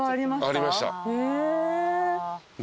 ありました。